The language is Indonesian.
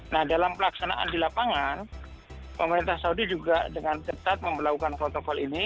nah dalam pelaksanaan di lapangan pemerintah saudi juga dengan ketat memperlakukan protokol ini